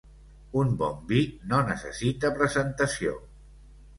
Un bon vi no necessita presentació.